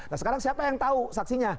nah sekarang siapa yang tahu saksinya